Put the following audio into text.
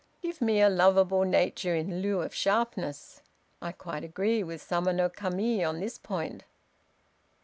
Give me a lovable nature in lieu of sharpness! I quite agree with Sama no Kami on this point."